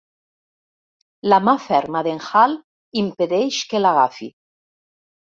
La mà ferma d'en Hale impedeix que l'agafi.